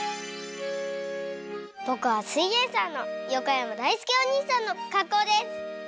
ぼくは「すイエんサー」の横山だいすけおにいさんのかっこうです！